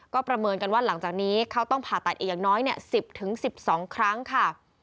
ก็ประเมินกันว่าหลังจากนี้เขาต้องผ่าตัดอีกอย่างน้อย๑๐๑๒ครั้งค่ะ